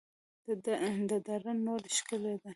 د دره نور ښکلې ده